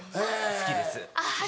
「好きです」。